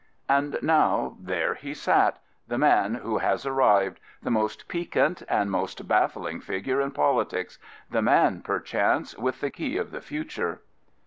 And now there he sat, the man who has " arrived," the most piquant and the most baffling figure in politics — the man, perchance, with the key of the future.